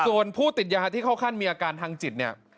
ส่วนผู้ติดยาที่เข้าขั้นมีอาการทางจิตเนี่ย